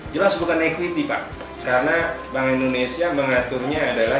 jelas bukan equity pak karena bank indonesia mengaturnya adalah